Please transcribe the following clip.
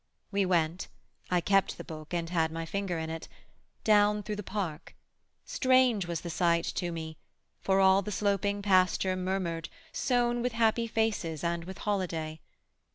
We went (I kept the book and had my finger in it) Down through the park: strange was the sight to me; For all the sloping pasture murmured, sown With happy faces and with holiday.